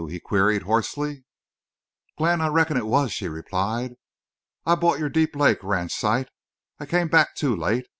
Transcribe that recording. _" he queried, hoarsely. "Glenn, I reckon it was," she replied. "I bought your Deep Lake ranch site. I came back too late....